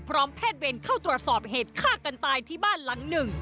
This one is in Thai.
แพทย์เวรเข้าตรวจสอบเหตุฆ่ากันตายที่บ้านหลังหนึ่ง